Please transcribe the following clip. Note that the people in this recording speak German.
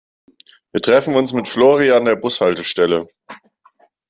Wir treffen uns mit Flori an der Bushaltestelle.